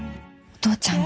お父ちゃん！